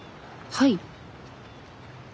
「はい」？